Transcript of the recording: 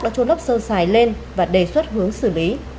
đã trôn lấp sơ sài lên và đề xuất hướng xử lý